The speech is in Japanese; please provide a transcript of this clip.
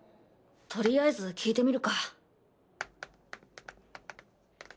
とりあえず聞いてみるか。